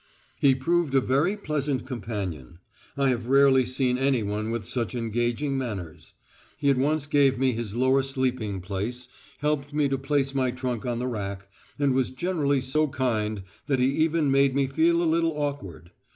He proved a very pleasant companion. I have rarely seen anyone with such engaging manners. He at once gave me his lower sleeping place, helped me to place my trunk on the rack, and was generally so kind that he even made me feel a little awkward.